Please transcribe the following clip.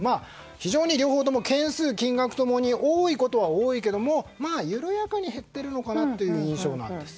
非常に両方とも件数、金額共に多いことは多いけれども緩やかに減っているのかなという印象です。